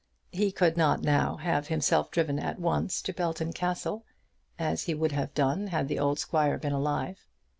He could not now have himself driven at once to Belton Castle, as he would have done had the old squire been alive.